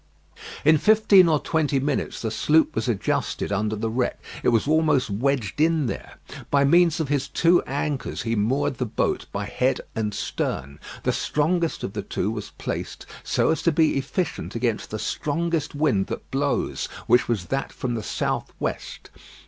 In fifteen or twenty minutes the sloop was adjusted under the wreck. It was almost wedged in there. By means of his two anchors he moored the boat by head and stern. The strongest of the two was placed so as to be efficient against the strongest wind that blows, which was that from the south west.